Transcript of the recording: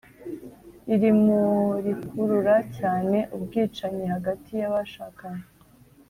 riri mu rikurura cyane ubwicanyi hagati y’abashakanye